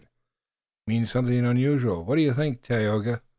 It means something unusual. What do you think, Tayoga?"